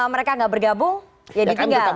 mereka nggak bergabung ya ditinggal ya kan kita